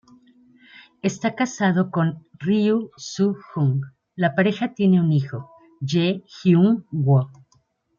Esta casado con Ryu Su-jung, la pareja tiene un hijo, Jee Hyun-woo.